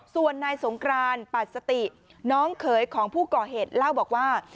ส่วนนายสงกรานปัดสติน้องเขยของผู้ก่อเหตุเล่าบอกว่า